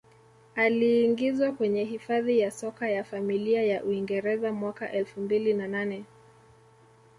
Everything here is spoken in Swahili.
Aliingizwa kwenye Hifadhi ya Soka ya Familia ya Uingereza mwaka elfu mbili na nane